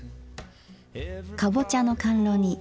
かぼちゃの甘露煮。